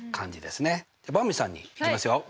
ばんびさんにいきますよ。